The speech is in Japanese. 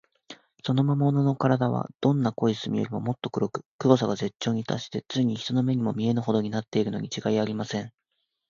その魔物のからだは、どんな濃い墨よりも、もっと黒く、黒さが絶頂にたっして、ついに人の目にも見えぬほどになっているのにちがいありません。